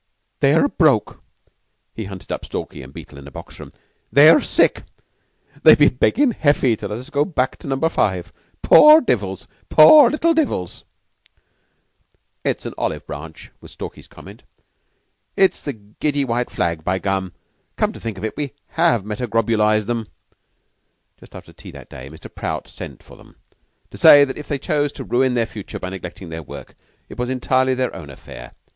"They're broke!" He hunted up Stalky and Beetle in a box room. "They're sick! They've been beggin' Heffy to let us go back to Number Five. Poor devils! Poor little devils!" "It's the olive branch," was Stalky's comment. "It's the giddy white flag, by gum! Come to think of it, we have metagrobolized 'em." Just after tea that day, Mr. Prout sent for them to say that if they chose to ruin their future by neglecting their work, it was entirely their own affair.